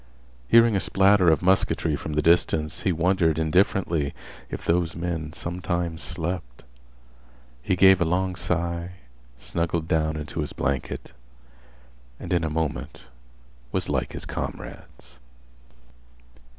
Hearing a splatter of musketry from the distance, he wondered indifferently if those men sometimes slept. He gave a long sigh, snuggled down into his blanket, and in a moment was like his comrades.